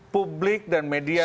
publik dan media